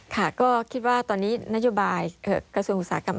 ค่ะก็คิดว่าตอนนี้นโยบายกระทรวงอุตสาหกรรม